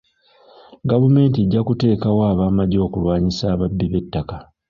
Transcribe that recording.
Gavumenti ejja kuteekawo ab'amagye okulwanyisa ababbi b'ente.